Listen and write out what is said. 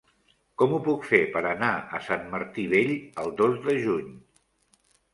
Com ho puc fer per anar a Sant Martí Vell el dos de juny?